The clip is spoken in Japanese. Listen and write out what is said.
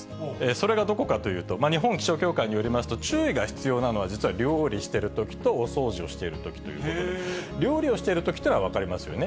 それがどこかというと、日本気象協会によりますと、注意が必要なのは、実は料理してるときと、お掃除をしているときということで、料理をしているときっていうのは分かりますよね。